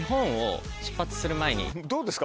どうですか？